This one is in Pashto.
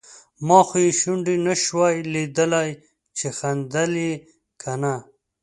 ما خو یې شونډې نشوای لیدای چې خندل یې که نه.